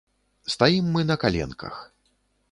Стаім мы на каленках.